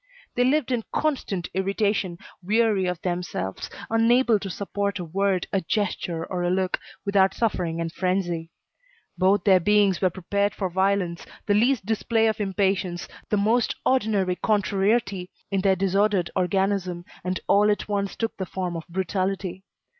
They lived in constant irritation, weary of themselves, unable to support a word, a gesture or a look, without suffering and frenzy. Both their beings were prepared for violence; the least display of impatience, the most ordinary contrariety increased immoderately in their disordered organism, and all at once, took the form of brutality.